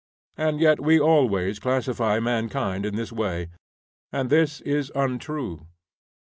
And yet we always classify mankind in this way. And this is untrue.